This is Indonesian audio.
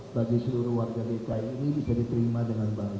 bagi seluruh warga dki ini bisa diterima dengan baik